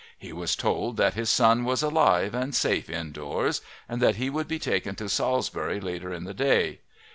He was told that his son was alive and safe indoors and that he would be taken to Salisbury later in the day.